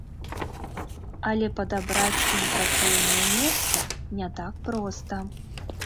Але падабраць ім працоўнае месца не так проста.